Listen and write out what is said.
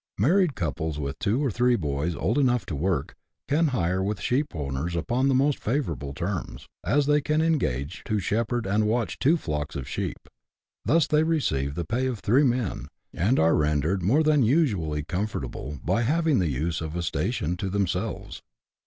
Married couples, with two or three boys old enough' to work, can hire with sheep owners upon the most favourable terms, as they can engage to shepherd and watch two flocks of sheep ; they thus receive the pay of three men, and are rendered more than usually comfort able by having the use of a station to themselves.